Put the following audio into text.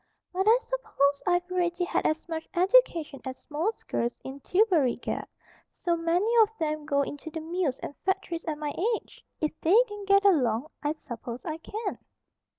"But I s'pose I've already had as much education as most girls in Tillbury get. So many of them go into the mills and factories at my age. If they can get along, I suppose I can."